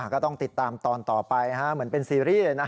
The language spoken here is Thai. ก็ต้องติดตามตอนต่อไปเหมือนเป็นซีรีส์